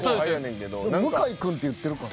俺「向井君」って言ってるかな。